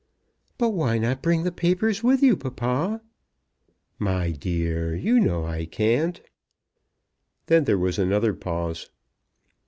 "But why not bring the papers with you, papa?" "My dear, you know I can't." Then there was another pause.